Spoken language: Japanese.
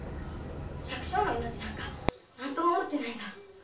百姓の命なんか何とも思っていないんだ。